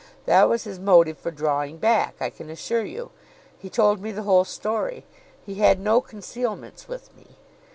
That was his motive for drawing back, I can assure you. He told me the whole story. He had no concealments with me.